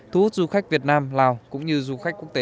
thu hút du khách việt nam lào cũng như du khách quốc tế